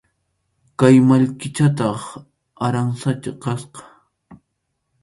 Kay mallkichataq aransachʼa kasqa.